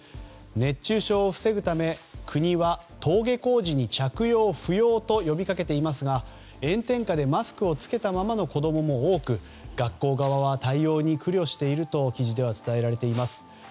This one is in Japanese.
熱中症を防ぐため、国は登下校時に着用不要と呼びかけていますが、炎天下でマスクを着けたままの子供も多く学校側は対応に苦慮していると記事では伝えられています。